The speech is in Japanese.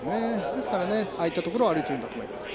だからああいうところを歩いているんだと思います。